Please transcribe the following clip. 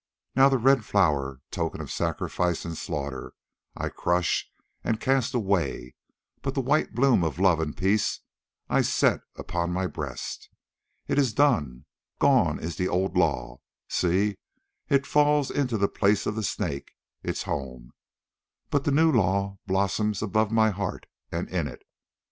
Now the red flower, token of sacrifice and slaughter, I crush and cast away, but the white bloom of love and peace I set upon my breast. It is done, gone is the old law; see, it falls into the place of the Snake, its home; but the new law blossoms above my heart and in it.